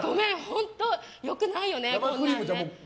本当良くないよね。